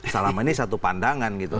selama ini satu pandangan